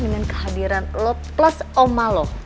dengan kehadiran lo plus oma lo